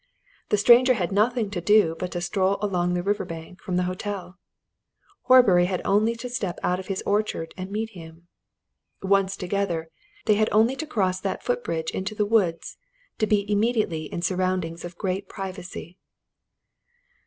The stranger had nothing to do but stroll along the river bank from the hotel; Horbury had only to step out of his orchard and meet him. Once together, they had only to cross that foot bridge into the woods to be immediately in surroundings of great privacy.